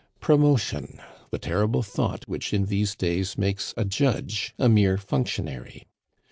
Promotion! The terrible thought, which in these days makes a judge a mere functionary.